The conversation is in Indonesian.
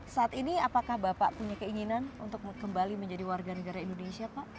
saat ini apakah bapak punya keinginan untuk kembali menjadi warga negara indonesia pak